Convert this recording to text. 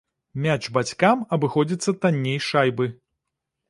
Мяч бацькам абыходзіцца танней шайбы.